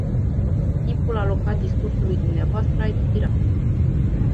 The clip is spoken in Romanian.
Timpul alocat discursului dumneavoastră a expirat.